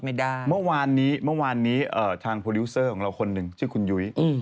ม้อวานนี้ทางโปรดิวเสออของเราคนหนึ่งชื่อคุณยุย